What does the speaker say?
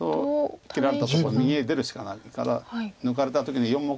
切られたとこ右へ出るしかないから抜かれた時に４目アタリがあってまた